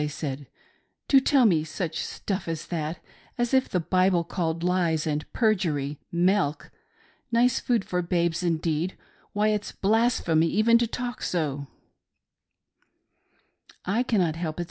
I said, " to tell me such stuff as that ! As if the Bible called lies and perjury 'milk!' Nice food for babes, indeed ! Why, it's blasphemy even to talk so 1" " I cannot help it.